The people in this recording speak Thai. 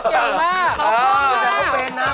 เก่งมาก